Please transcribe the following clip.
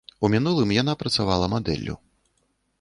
У мінулым яна працавала мадэллю.